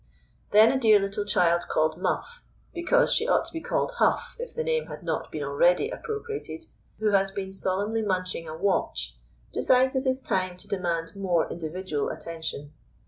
Then a dear little child called Muff (because she ought to be called Huff if the name had not been already appropriated), who has been solemnly munching a watch, decides it is time to demand more individual attention.